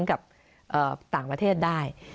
กับต่างประเทศได้